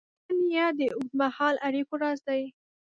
ښه نیت د اوږدمهاله اړیکو راز دی.